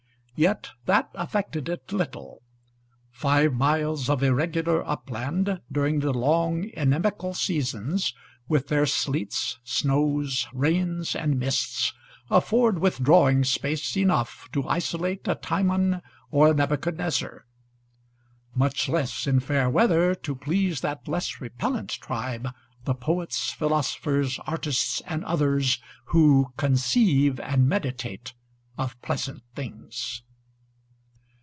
Yet what of that? Five miles of irregular upland, during the long, inimical seasons, with their sleets, snows, rains, and mists, afford withdrawing space enough to isolate a Timon or a Nebuchadnezzar; much less, in fair weather, to please that less repellent tribe, the poets, philosophers, artists, and others who "conceive and meditate of pleasant things."